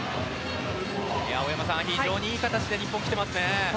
大山さん、非常にいい形で日本がきていますね。